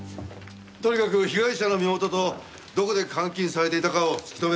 とにかく被害者の身元とどこで監禁されていたかを突き止めるんだ。